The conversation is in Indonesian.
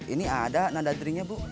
ini ada nada drinknya bu